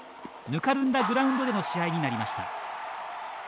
ぬかるんだグラウンドでの試合になりました。